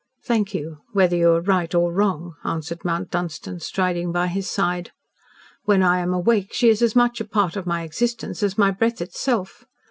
"Thank you whether you are right or wrong," answered Mount Dunstan, striding by his side. "When I am awake, she is as much a part of my existence as my breath itself.